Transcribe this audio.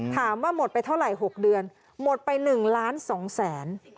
ถามว่าหมดไปเท่าไหร่๖เดือนหมดไป๑ล้าน๒แสน